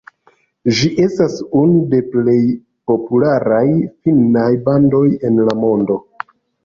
Ĝi estas unu de plej popularaj finnaj bandoj en la mondo.